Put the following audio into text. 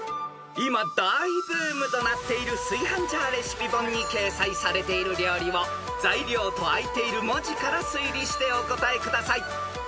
［今大ブームとなっている炊飯ジャーレシピ本に掲載されている料理を材料と開いている文字から推理してお答えください］